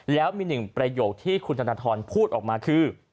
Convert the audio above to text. แล้วมีหนึ่งประโยคที่คุณธนทรพูดออกมาคือ